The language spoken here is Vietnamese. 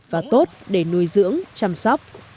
và tốt để nuôi dưỡng chăm sóc